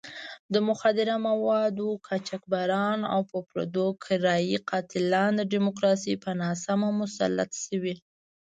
د مخدره موادو قاچاقبران او پردو کرایي قاتلان د ډیموکراسۍ په نامه مسلط شوي.